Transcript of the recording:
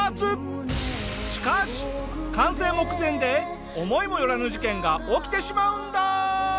しかし完成目前で思いも寄らぬ事件が起きてしまうんだ！